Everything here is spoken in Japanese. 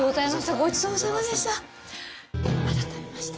ごちそうさまでした。